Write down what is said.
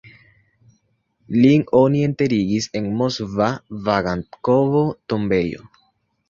Lin oni enterigis en moskva Vagankovo-tombejo.